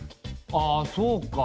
ああそうか。